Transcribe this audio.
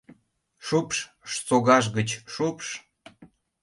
— Шупш, согаж гыч шупш!